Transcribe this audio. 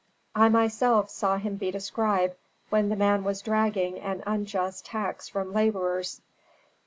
"I myself saw him beat a scribe, when the man was dragging an unjust tax from laborers."